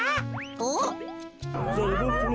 おっ？